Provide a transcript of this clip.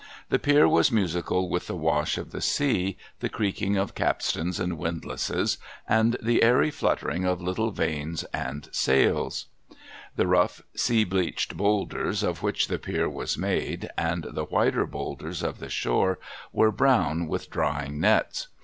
The pier was musical with the wash of the sea, the creaking of capstans and windlasses, and the airy fluttering of little vanes and Q 2 26 A MESSAGE FROM THE SEA sails. The rough, sea bleached boulders of which the pier was made, and Uie whiter boulders of the shore, were brown with drying nets.